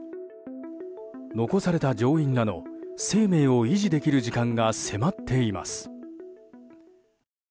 残された乗員らの生命を維持できる時間が迫っています。